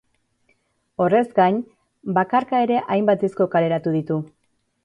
Horrez gain, bakarka ere hainbat disko kaleratu ditu.